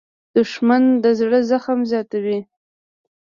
دښمن د زړه زخم زیاتوي